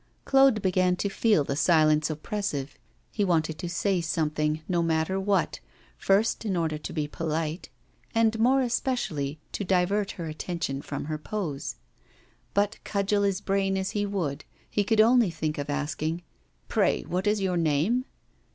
Claude began to feel the silence oppressive; he wanted to say something, no matter what, first, in order to be polite, and more especially to divert her attention from her pose. But cudgel his brain as he would, he could only think of asking: 'Pray, what is your name?